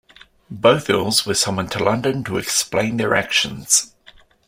Both earls were summoned to London to explain their actions.